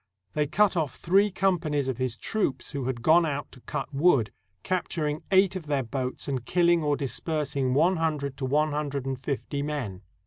They cut off three companies of his troops who had gone out to cut wood, capturing eight of their boats, and killing or dispersing one hundred to one hundred and fifty men.